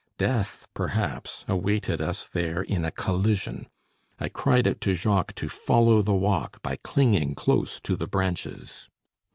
Death, perhaps, awaited us there in a collision. I cried out to Jacques to follow the walk by clinging close to the branches.